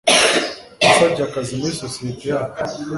yasabye akazi muri sosiyete yacu.